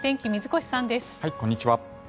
こんにちは。